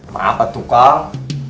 kenapa tuh kang